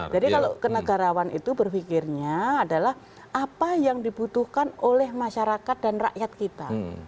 jadi kalau kenegarawan itu berpikirnya adalah apa yang dibutuhkan oleh masyarakat dan rakyat kita